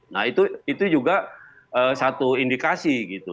nah itu juga satu indikasi gitu